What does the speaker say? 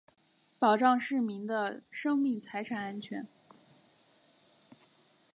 保障市民的生命财产安全